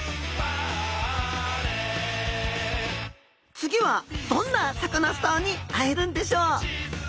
次はどんなサカナスターに会えるんでしょう。